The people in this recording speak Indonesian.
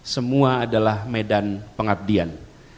semua adalah medan pengabdian